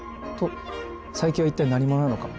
佐伯は一体、何者なのか。